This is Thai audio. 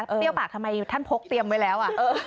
เปรี้ยวปากทำไมท่านพกเตรียมไว้แล้ว